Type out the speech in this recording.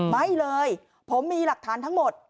ไม่เลยผมมีหลักฐานทั้งหมด